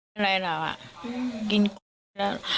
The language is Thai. อะไรเหรออ่ะกินแล้ว